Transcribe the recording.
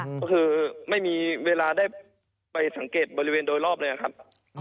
ก็คือไม่มีเวลาได้ไปสังเกตบริเวณโดยรอบเลยครับ